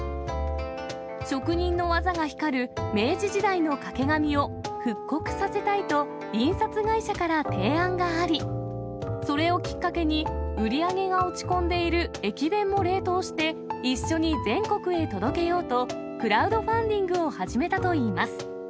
職人の技が光る、明治時代の掛け紙を復刻させたいと、印刷会社から提案があり、それをきっかけに、売り上げが落ち込んでいる駅弁も冷凍して、一緒に全国へ届けようと、クラウドファンディングを始めたといいます。